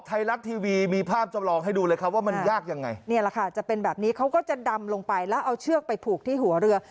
ไทยรัฐทีวีมีภาพจำลองให้ดูเลยครับว่ามันยากยังไงเนี่ยแหละค่ะจะเป็นแบบนี้เขาก็จะดำลงไปแล้วเอาเชือกไปผูกที่หัวเรือ